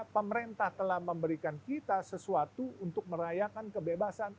pemerintah telah memberikan kita sesuatu untuk merayakan kebebasan